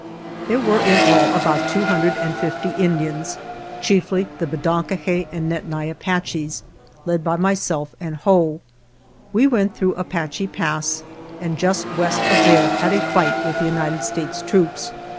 There were in all about 250 Indians, chiefly the Bedonkohe and Nedni Apaches, led by myself and Whoa. We went through Apache Pass and just west of there had a fight with the United States troops.